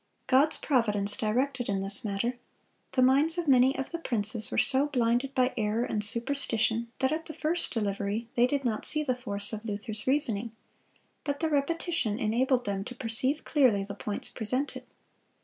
God's providence directed in this matter. The minds of many of the princes were so blinded by error and superstition that at the first delivery they did not see the force of Luther's reasoning; but the repetition enabled them to perceive clearly the points presented.